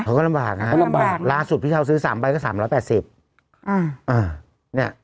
เขาก็ลำบากลำบากล้าสุดที่เขาซื้อสามใบก็สามร้อยแปดสิบอืมอ่าเนี้ย